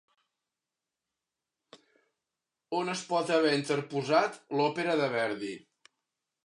On es pot haver interposat l'òpera de Verdi?